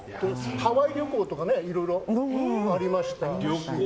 ハワイ旅行とかいろいろありましたし。